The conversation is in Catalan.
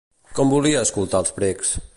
Com volia escoltar els precs?